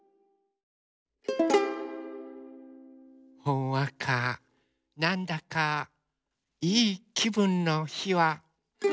ほんわかなんだかいいきぶんのひは。